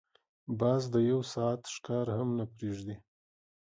باز د یو ساعت ښکار هم نه پریږدي